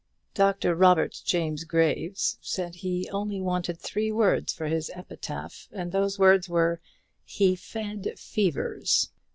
Dr. Robert James Graves said he only wanted three words for his epitaph, and those words were, 'HE FED FEVERS.'